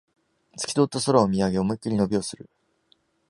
すき通った空を見上げ、思いっきり伸びをする